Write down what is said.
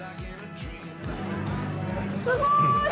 すごーい。